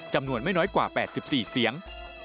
จำนวนไม่น้อยกว่า๘๔เสียง